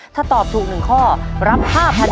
ถ้าตอบถูก๑ข้อรับ๕๐๐๐บาท